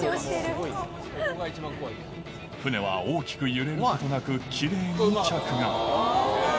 船は大きく揺れることなく、きれいに着岸。